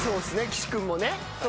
岸君もね。